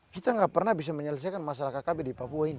kita nggak pernah bisa menyelesaikan masalah kkb di papua ini